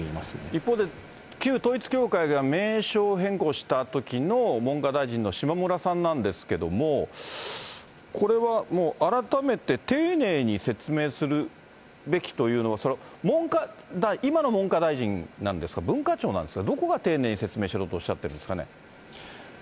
一方で、旧統一教会が名称変更したときの文科大臣の下村さんなんですけれども、これは改めて丁寧に説明するべきというのは、今の文科大臣なんですか、文化庁なんですか、どこが丁寧に説明しろとおっしゃってるんですかね。